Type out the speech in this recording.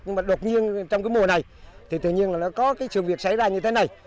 nhưng mà đột nhiên trong cái mùa này thì tự nhiên là nó có cái sự việc xảy ra như thế này